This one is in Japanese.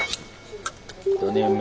４年目。